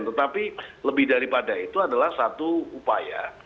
tetapi lebih daripada itu adalah satu upaya